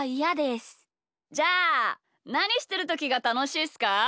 じゃあなにしてるときがたのしいっすか？